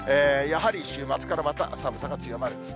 やはり週末からまた寒さが強まる。